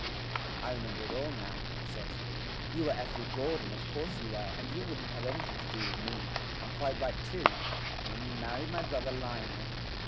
'I remember it all now,' he says. 'You are Ethel Gordon, of course you are, and you wouldn't have anything to do with me and quite right too and then you married my brother Lionel.